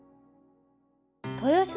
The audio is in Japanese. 豊洲